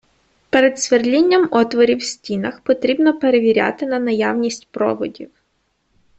Перед свердлінням отворів в стінах потрібно перевіряти на наявність проводів.